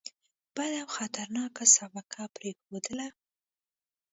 بده او خطرناکه سابقه پرېښودله.